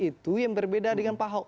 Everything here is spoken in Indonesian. itu yang berbeda dengan pahok